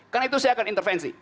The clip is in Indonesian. karena itu saya akan intervensi